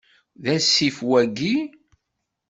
D asif wayyi?